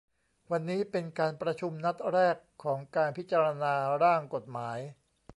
วันนี้เป็นการประชุมนัดแรกของการพิจารณาร่างกฎหมาย